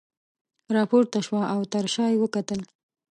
راپورته شوه او تر شاه یې وکتل.